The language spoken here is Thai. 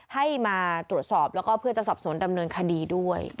ให้มาตรวจสอบแล้วก็เพื่อจะสอบสวนดำเนินคดีด้วย